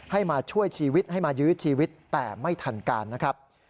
มาช่วยชีวิตให้มายื้อชีวิตแต่ไม่ทันการนะครับ